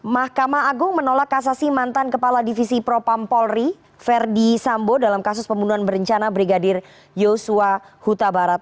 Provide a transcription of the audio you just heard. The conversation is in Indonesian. mahkamah agung menolak kasasi mantan kepala divisi propam polri verdi sambo dalam kasus pembunuhan berencana brigadir yosua huta barat